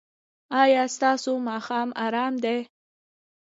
ایا ستاسو ماښام ارام دی؟